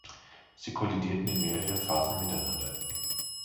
Sie kollidierten in mehreren Phasen miteinander.